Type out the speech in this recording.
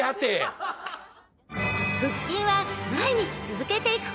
［腹筋は毎日続けていくことが大事。